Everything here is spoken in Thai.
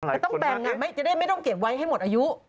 แต่ต้องแบ่งจะได้ไม่ต้องเก็บไว้ให้หมดอายุ